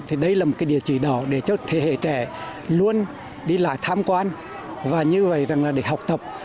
thì đây là một cái địa chỉ đỏ để cho thế hệ trẻ luôn đi lại tham quan và như vậy rằng là để học tập